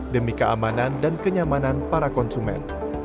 demi keamanan dan kenyamanan para konsumen